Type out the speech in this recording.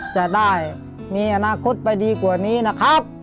จะได้มีอนาคตไปดีกว่านี้นะครับ